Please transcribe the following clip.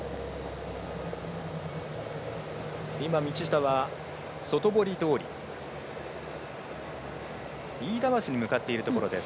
道下は外堀通り飯田橋に向かっているところです。